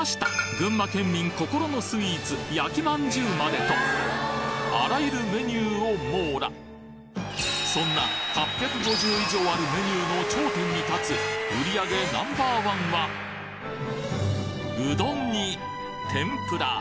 群馬県民心のスイーツ焼きまんじゅうまでとあらゆるメニューを網羅そんな８５０以上あるメニューの頂点に立つ売り上げナンバーワンはうどんに天ぷら